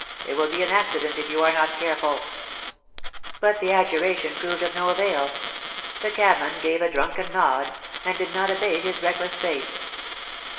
There will be an accident if you are not careful' But the adjuration proved of no avail The cabman gave a drunken nod, and did not abate his reckless pace.